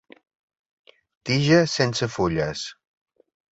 Tija sense fulles.